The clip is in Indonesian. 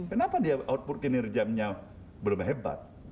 kenapa dia output kinerjanya belum hebat